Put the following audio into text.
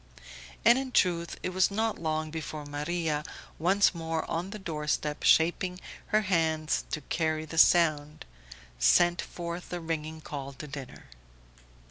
And in truth it was not long before Maria, once more on the door step, shaping her hands to carry the sound, sent forth the ringing call to dinner.